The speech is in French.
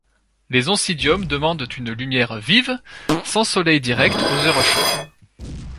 Les oncidium demandent une lumière vive, sans soleil direct aux heures chaudes.